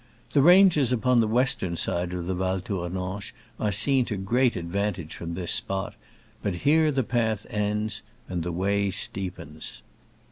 The ranges upon the western side of the Val Tour nanche are seen to great advantage from this spot, but here the path ends and the way steepens.